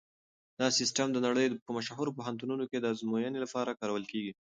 دا سیسټم د نړۍ په مشهورو پوهنتونونو کې د ازموینو لپاره کارول کیږي.